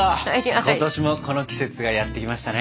今年もこの季節がやって来ましたね。